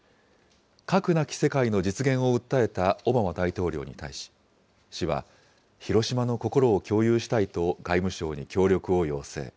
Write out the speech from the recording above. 核なき世界の実現を訴えたオバマ大統領に対し、市はヒロシマの心を共有したいと外務省に協力を要請。